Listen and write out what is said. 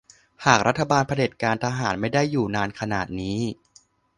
หากรัฐบาลเผด็จการทหารไม่ได้อยู่นานขนาดนี้